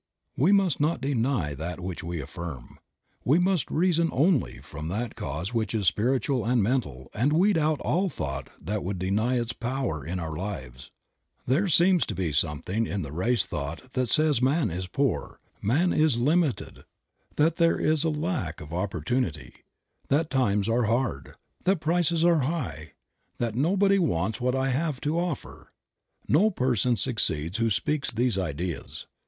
We must not deny that which we affirm. We must reason only from that cause which is spiritual and mental and weed out all thought that would deny its power in our lives. There seems to be something in the race thought that says man is poor ; man is limited ; that there is a lack of oppor tunity ; that times are hard ; that prices are high ; that nobody wants what I have to offer. No person succeeds who speaks these ideas.